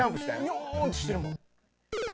ニョーンってしてるもん。